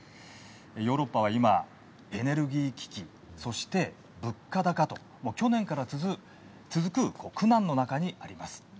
ヨーロッパは今、エネルギー危機そして、物価高ということで去年から続く苦難の中にあります。